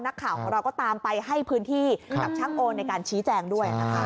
นักข่าวของเราก็ตามไปให้พื้นที่กับช่างโอในการชี้แจงด้วยนะคะ